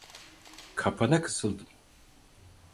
Kapana kısıldım.